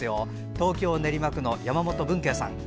東京・練馬区の山本文渓さん。